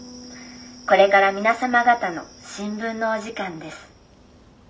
これから皆様方の新聞のお時間です。